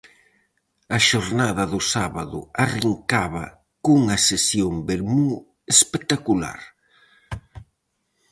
A xornada do sábado arrincaba cunha sesión vermú espectacular.